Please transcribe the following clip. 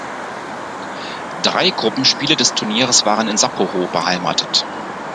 Drei Gruppenspiele des Turniers waren in Sapporo beheimatet.